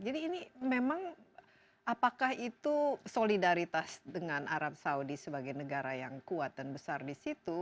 jadi ini memang apakah itu solidaritas dengan arab saudi sebagai negara yang kuat dan besar di situ